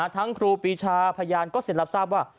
ทั้งครูปีชาพยานก็เสร็จรับทราบว่า